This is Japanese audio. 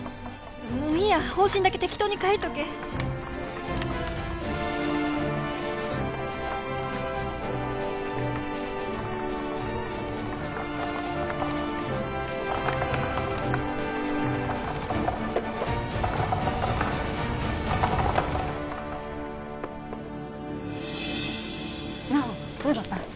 もういいや方針だけ適当に書いとけ菜緒どうだった？